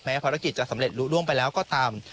แม้ภารกิจจะสำเร็จรู้ร่วมไปแล้วก็ตาม